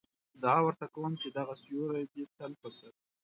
دعا ورته کوم چې دغه سیوری دې تل په سر وي.